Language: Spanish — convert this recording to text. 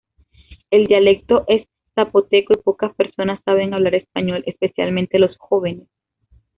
El dialecto es Zapoteco y pocas personas saben hablar español, especialmente los jóvenes.